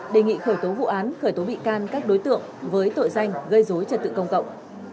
đề nghị khởi tố vụ án khởi tố bị can các đối tượng với tội danh gây dối trật tự công cộng